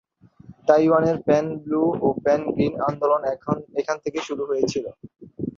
তাইওয়ানের pan blue ও pan green আন্দোলন এখান থেকেই শুরু হয়েছিল।